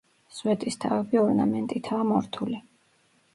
სვეტისთავები ორნამენტითაა მორთული.